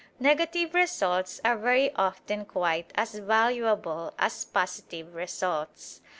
Negative results are very often quite as valuable as positive results.